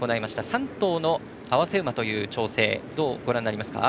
３頭の併せ馬という調整どうご覧になりますか？